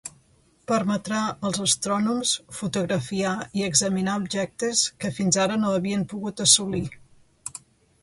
Permetrà als astrònoms fotografiar i examinar objectes que fins ara no havien pogut assolir.